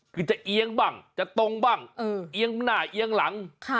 คือจะเอียงบ้างจะตรงบ้างเอียงหน้าเอียงหลัง